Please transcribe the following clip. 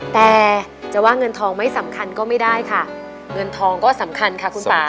แต่จะว่าเงินทองไม่สำคัญก็ไม่ได้ค่ะเงินทองก็สำคัญค่ะคุณป่า